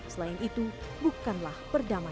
selain itu bukanlah perdamaian